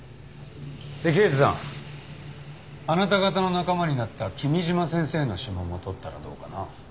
刑事さんあなた方の仲間になった君嶋先生の指紋も採ったらどうかな？